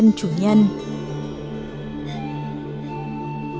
nhóm thứ hai là nhóm hình học